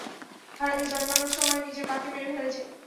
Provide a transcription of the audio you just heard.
হারামি জন্মানোর সময়ে নিজের মাকে মেরে ফেলেছে।